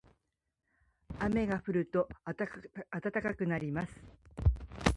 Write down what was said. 雨が降ると暖かくなります。